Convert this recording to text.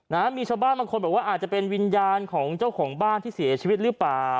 นะมีชาวบ้านบางคนบอกว่าอาจจะเป็นวิญญาณของเจ้าของบ้านที่เสียชีวิตหรือเปล่า